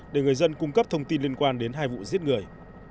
để người dân cung cấp thông tin liên quan đến hai vụ giết người